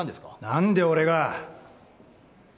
何で俺が！